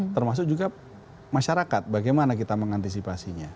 termasuk juga masyarakat bagaimana kita mengantisipasinya